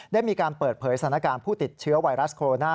ได้มีการเปิดเผยสถานการณ์ผู้ติดเชื้อไวรัสโคโรนา